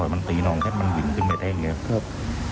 ไม่มันเล่งไว้ครับ